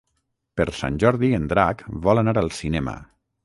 Per Sant Jordi en Drac vol anar al cinema.